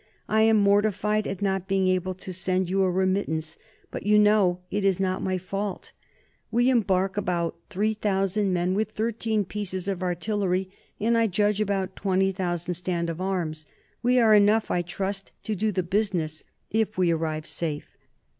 ... I am mortified at not being able to send you a remittance, but you know it is not my fault. "We embark about 3000 men, with 13 pieces of artillery, and I judge about 20,000 stand of arms. We are enough, I trust, to do the business, if we arrive safe.